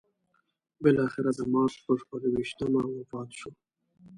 بالاخره د مارچ پر شپږویشتمه وفات شو.